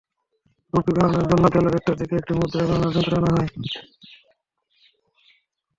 Rupee গণনার জন্য বেলা দেড়টার দিকে একটি মুদ্রা গণনার যন্ত্র আনা হয়।